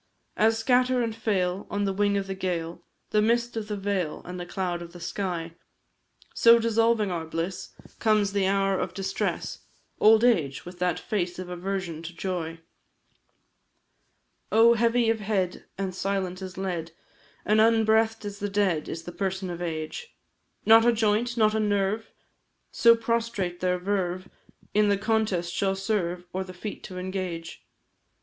As scatter and fail, on the wing of the gale, The mist of the vale, and the cloud of the sky, So, dissolving our bliss, comes the hour of distress, Old age, with that face of aversion to joy. Oh! heavy of head, and silent as lead, And unbreathed as the dead, is the person of Age; Not a joint, not a nerve so prostrate their verve In the contest shall serve, or the feat to engage.